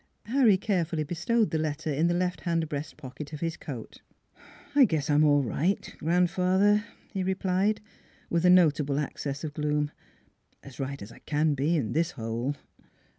" Harry carefully bestowed the letter in the left hand breast pocket of his coat. I guess I'm all right, grandfather," he replied, with a notable access of gloom, " as right as I can be in this hole."